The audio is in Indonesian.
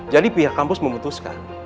jadi pihak kampus memutuskan